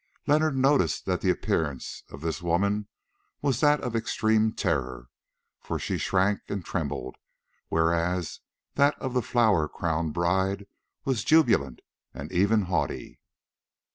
Leonard noticed that the appearance of this woman was that of extreme terror, for she shrank and trembled, whereas that of the flower crowned bride was jubilant and even haughty.